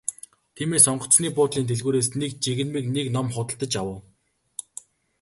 Тиймээс онгоцны буудлын дэлгүүрээс нэг жигнэмэг нэг ном худалдаж авав.